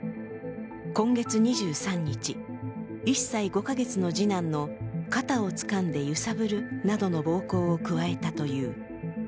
今月２３日、１歳５カ月の次男の肩をつかんで揺さぶるなどの暴行を加えたという。